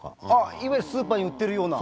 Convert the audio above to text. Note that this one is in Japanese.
いわゆるスーパーに売ってるような。